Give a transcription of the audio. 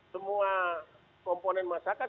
semua komponen masyarakat